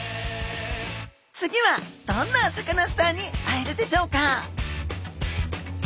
次はどんなサカナスターに会えるでしょうか？